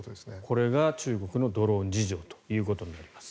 これが中国のドローン事情となります。